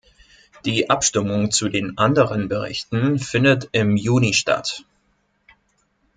Die Abstimmung zu den anderen Berichten findet im Juni statt.